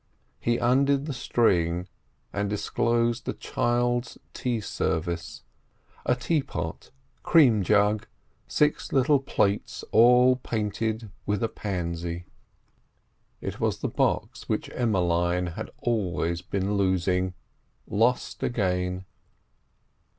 He undid the string, and disclosed a child's tea service: a teapot, cream jug, six little plates—all painted with a pansy. It was the box which Emmeline had always been losing—lost again.